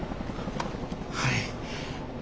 はい。